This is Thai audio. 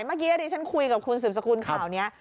เมื่อกี้อันนี้ฉันคุยกับคุณสืบสกูลขาวนี้